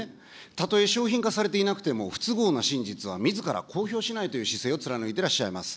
たとえ商品化されていなくても、不都合な真実はみずから公表しないという姿勢を貫いてらっしゃいます。